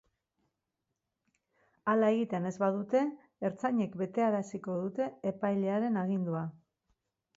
Hala egiten ez badute, ertzainek betearaziko dute epailearen agindua.